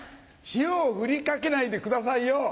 塩を振り掛けないでくださいよ！